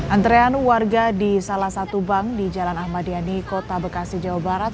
antrean warga di salah satu bank di jalan ahmad yani kota bekasi jawa barat